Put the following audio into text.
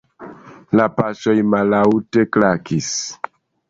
La paŝoj malaŭte klakis.